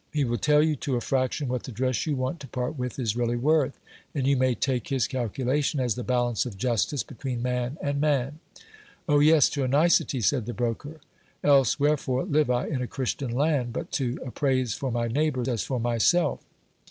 He will tell you to a fraction what the dress you want to part with is really worth, and you may take his cilculation as the balance of justice, between man and man. Oh yes! to a nicety, said the broker. Else wherefore live I in a Christian land, but to ap praise for my neighbour as for myself?